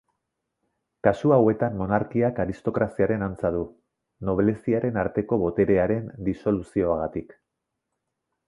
Kasu hauetan monarkiak aristokraziaren antza du, nobleziaren arteko boterearen disoluzioagatik.